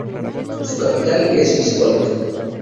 Su capital es Miskolc.